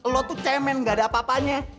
lo tuh cemen gak ada apa apanya